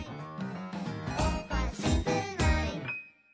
「おかしくない」